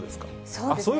そうですね。